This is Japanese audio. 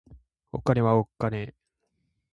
お金はおっかねぇ